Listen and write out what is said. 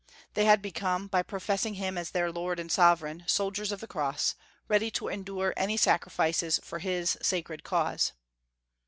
They had become, by professing Him as their Lord and Sovereign, soldiers of the Cross, ready to endure any sacrifices for his sacred cause.